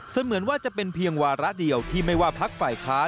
เหมือนว่าจะเป็นเพียงวาระเดียวที่ไม่ว่าพักฝ่ายค้าน